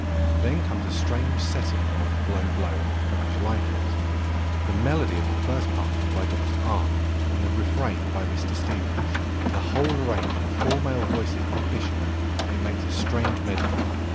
Then comes a strange setting of "Blow, blow," from As You Like It. The melody of the first part is by Dr Arne and the refrain by Mr Stephens, the whole arranged for four male voices by Bishop; it makes a strange medley!